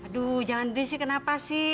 aduh jangan bebas kenapa